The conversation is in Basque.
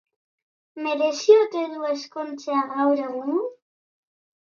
Merezi ote du ezkontzea gaur egun?